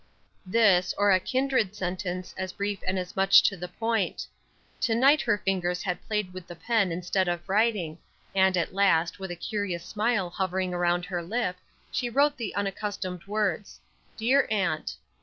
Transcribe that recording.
This, or a kindred sentence as brief and as much to the point. To night her fingers had played with the pen instead of writing, and at last, with a curious smile hovering around her lip, she wrote the unaccustomed words, "Dear Aunt."